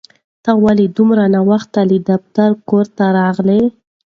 ته ولې دومره ناوخته له دفتره کور ته راغلې؟